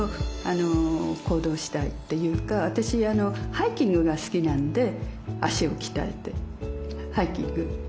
ハイキングが好きなので足を鍛えてハイキング